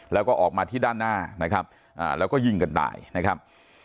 แล้วก็ออกมาที่ด้านหน้านะครับแล้วก็ยิงกันตายนะครับ